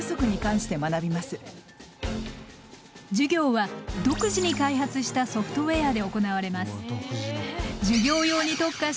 授業は独自に開発したソフトウェアで行われます。